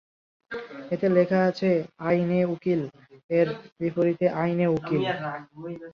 এতে লেখা আছে 'আইনে উকিল' এর বিপরীতে 'আইনে উকিল'।